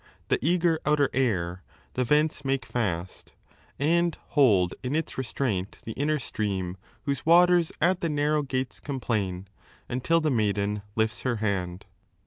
The eager outer air, the vents make fast And hold in its restraint the inner stream Whose waters at the narrow gates complain, 474 a Until the maiden lifts her hand.